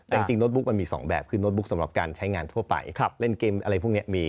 แต่จริงโน้ตบุ๊กมันมี๒แบบคือโน้ตบุ๊กสำหรับการใช้งานทั่วไปเล่นเกมอะไรพวกนี้มี